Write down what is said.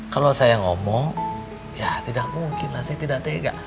kalau saya ngomong ya tidak mungkin lah saya tidak tega